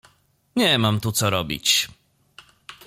Nie mam tu co robić.